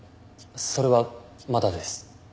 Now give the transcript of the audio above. それはまだです。